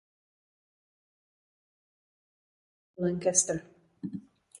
Správním městem okresu je stejnojmenné město Lancaster.